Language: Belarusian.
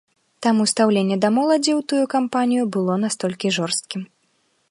Таму стаўленне да моладзі ў тую кампанію было настолькі жорсткім.